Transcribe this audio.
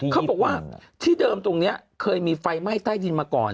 เขาบอกว่าที่เดิมตรงนี้เคยมีไฟไหม้ใต้ดินมาก่อน